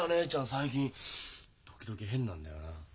最近時々変なんだよな。